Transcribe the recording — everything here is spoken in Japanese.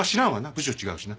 部署違うしな。